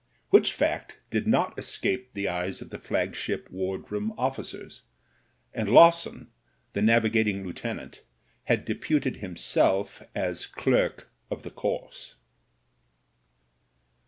Which fact did not escape RETRIBUTION 159 the eyes of the flagship wardroom officers. And Law son, the navigating lieutenant, had deputed himself as clerk of the course.